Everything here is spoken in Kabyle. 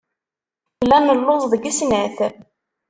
Nella nelluẓ deg snat.